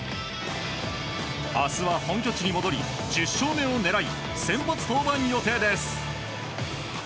明日は本拠地に戻り１０勝目を狙い先発登板予定です。